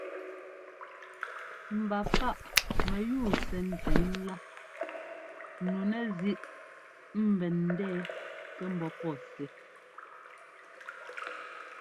Mba páꞌ mɛyúu sɛ ńtɛn lá nu nɛzíꞌ ḿbɛn ńdɛɛ kɛ ḿbɔ́ pɔ́ sɛ́.